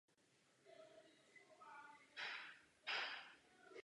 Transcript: Nachází se na jižním pobřeží ostrova.